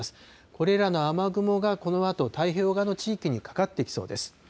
これらの雨雲がこのあと太平洋側の地域にかかってきそうです。